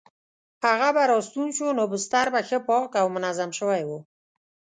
هغه به راستون شو نو بستر به ښه پاک او منظم شوی وو.